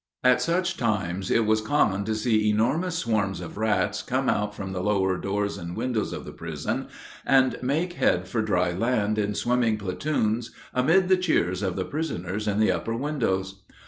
At such times it was common to see enormous swarms of rats come out from the lower doors and windows of the prison and make head for dry land in swimming platoons amid the cheers of the prisoners in the upper windows.